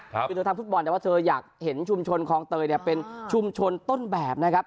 คือเธอทำฟุตบอลแต่ว่าเธออยากเห็นชุมชนคลองเตยเนี่ยเป็นชุมชนต้นแบบนะครับ